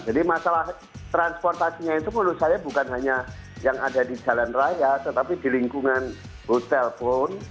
jadi masalah transportasinya itu menurut saya bukan hanya yang ada di jalan raya tetapi di lingkungan hotel pun